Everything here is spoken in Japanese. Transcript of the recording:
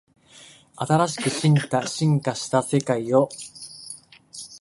新しく進化した世界捉えて